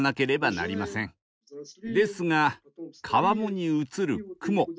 ですが川面に映る雲